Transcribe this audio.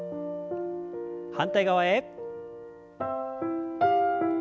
反対側へ。